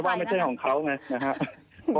ว่าไม่ใช่ของเขาไงนะครับ